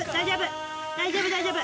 大丈夫大丈夫！